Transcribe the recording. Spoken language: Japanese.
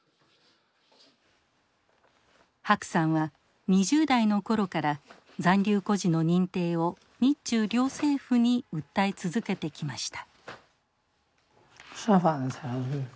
白さんは２０代の頃から残留孤児の認定を日中両政府に訴え続けてきました。